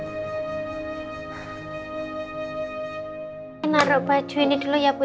saya naruh baju ini dulu ya bu